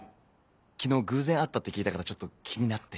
昨日偶然会ったって聞いたからちょっと気になって」。